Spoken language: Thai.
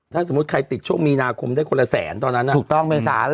ถ้าสมมุติใครติดช่วงมีนาคมได้คนละแสนตอนนั้นถูกต้องเมษาเลย